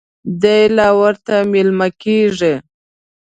دی لا ورته مېلمه کېږي.